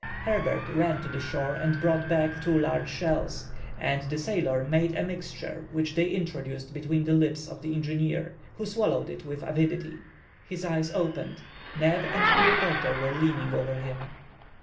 Herbert ran to the shore and brought back two large shells; and the sailor made a mixture which they introduced between the lips of the engineer, who swallowed it with avidity. His eyes opened. Neb and the reporter were leaning over him.